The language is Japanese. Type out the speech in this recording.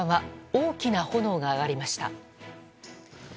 大きな炎が上がりました。